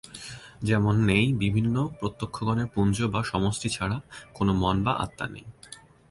যেমন নেই ‘বিভিন্ন প্রত্যক্ষণের পুঞ্জ বা সমষ্টি ছাড়া’ কোনো মন বা আত্মা নেই।